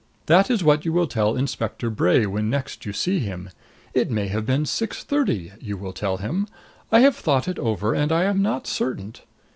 "That is what you will tell Inspector Bray when next you see him. 'It may have been six thirty,' you will tell him. 'I have thought it over and I am not certain.